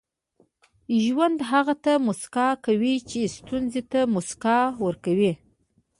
• ژوند هغه ته موسکا کوي چې ستونزې ته موسکا ورکړي.